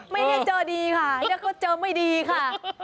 ไม่ดีค่ะเดี๋ยวก็เจอไม่ดีค่ะ